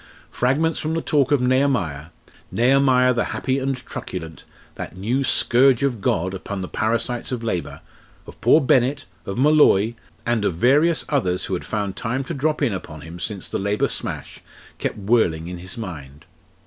Fragments from the talk of Nehemiah Nehemiah the happy and truculent, that new "scourge of God" upon the parasites of Labour of poor Bennett, of Molloy, and of various others who had found time to drop in upon him since the Labour smash, kept whirling in his mind.